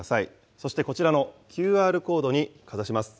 そしてこちらのＱＲコードにかざします。